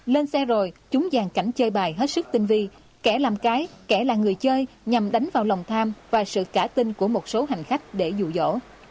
lên xe rồi chúng giàn cảnh chơi bài hết sức tinh vi kẻ làm cái kẻ là người chơi nhằm đánh vào lòng tham và sự cả tinh của một số hành khách để dụ dỗ